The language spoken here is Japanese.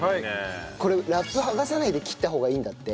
これラップ剥がさないで切った方がいいんだって。